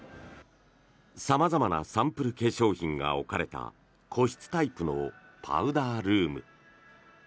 様々なサンプル化粧品が置かれた個室タイプのパウダールーム。